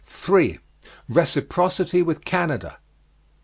3. RECIPROCITY WITH CANADA.